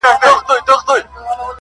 هغه کيسې د تباهيو، سوځېدلو کړلې!!